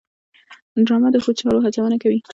ډرامه د ښو چارو هڅونه کوي